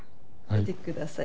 見てください。